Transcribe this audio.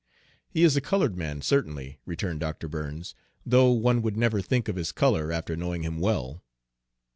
"He is a colored man, certainly," returned Dr. Burns, "though one would never think of his color after knowing him well."